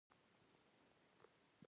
جنسیت یوه غیر اکتسابي ځانګړتیا ده.